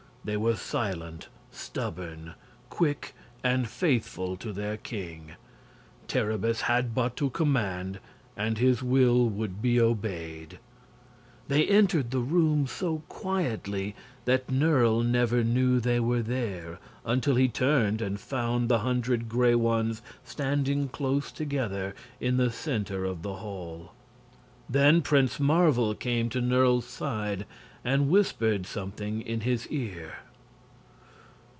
They were silent, stubborn, quick, and faithful to their king. Terribus had but to command and his will would be obeyed. They entered the room so quietly that Nerle never knew they were there until he turned and found the hundred gray ones standing close together in the center of the hall. Then Prince Marvel came to Nerle's side and whispered something in his ear.